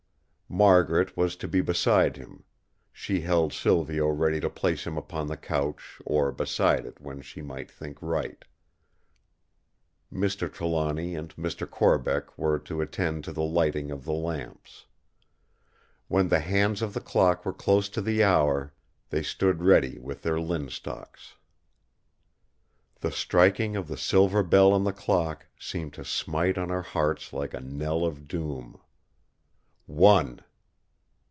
Margaret was to be beside him; she held Silvio ready to place him upon the couch or beside it when she might think right. Mr. Trelawny and Mr. Corbeck were to attend to the lighting of the lamps. When the hands of the clock were close to the hour, they stood ready with their linstocks. The striking of the silver bell of the clock seemed to smite on our hearts like a knell of doom. One!